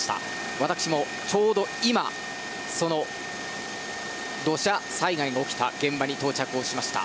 私もちょうど今、土砂災害が起きた現場に到着しました。